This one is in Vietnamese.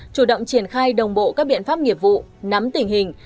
chủ động triển khai đồng bộ các biện pháp nghiệp vụ nắm tình hình